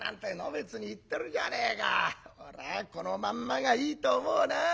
俺はこのまんまがいいと思うな。